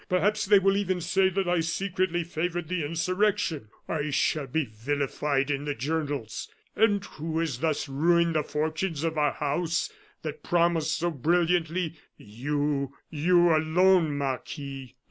Perhaps they will even say that I secretly favored the insurrection; I shall be vilified in the journals. "And who has thus ruined the fortunes of our house, that promised so brilliantly? You, you alone, Marquis.